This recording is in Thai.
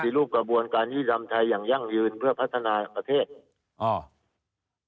ปฏิรูปกระบวนการยีดรรมไทยอย่างยั่งยืนเพื่อพัฒนาประเภท